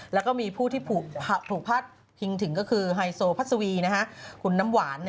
แล้วก็มีผู้ที่ถูกพัดพิงถึงก็คือไฮโซพัสวีคุณน้ำหวาน